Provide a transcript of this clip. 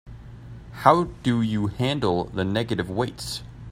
How do you handle the negative weights?